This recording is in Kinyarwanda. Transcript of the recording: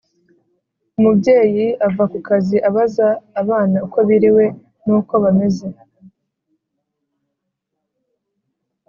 Umubyeyi ava kukazi abaza abana uko biriwe n’uko bameze